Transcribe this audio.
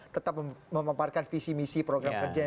tetap memamparkan visi misi program kerjanya